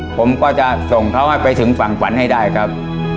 ผมก็จะส่งเขาให้ไปถึงฝั่งฝันให้ได้ครับ